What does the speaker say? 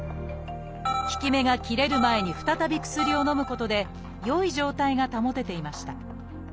効き目が切れる前に再び薬をのむことで良い状態が保てていました